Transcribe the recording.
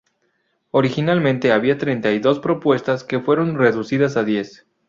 Originalmente había treinta y dos propuestas, que fueron reducidas a diez.